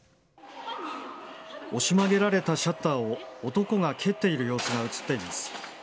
押し曲げられたシャッターを男が蹴っている様子が映っています。